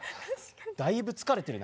だいぶ疲れてるな。